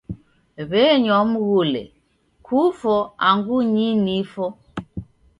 W'enywa mghule, "kufo angu nyii nifo."